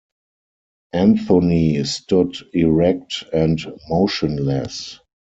Anthony stood erect and motionless.